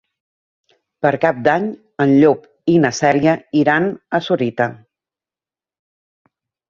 Per Cap d'Any en Llop i na Cèlia iran a Sorita.